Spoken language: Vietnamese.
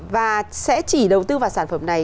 và sẽ chỉ đầu tư vào sản phẩm này